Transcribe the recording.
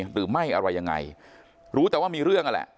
หรือไม่อะไรยังไงรู้แต่ว่ามีเรื่องนั่นแหละ